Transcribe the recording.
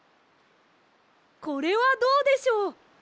これはどうでしょう。